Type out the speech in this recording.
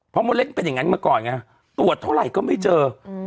เพราะมดเล็กเป็นอย่างนั้นมาก่อนไงตรวจเท่าไหร่ก็ไม่เจอ